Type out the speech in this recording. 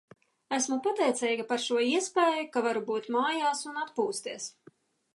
Esmu pateicīga par šo iespēju, ka varu būt mājās un atpūsties.